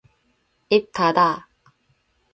입 닫아.